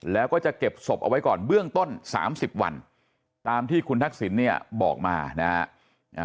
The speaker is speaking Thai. แล้วก็จะเก็บศพเอาไว้ก่อนเบื้องต้น๓๐วันตามที่คุณทักษิณเนี่ยบอกมานะฮะ